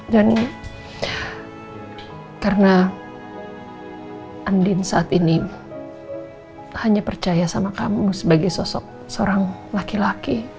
dan karena andin saat ini hanya percaya sama kamu sebagai sosok seorang laki laki